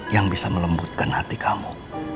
yang bisa melembutkan hati kamu